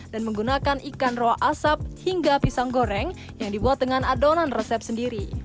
dan menggunakan ikan roa asap hingga pisang goreng yang dibuat dengan adonan resep sendiri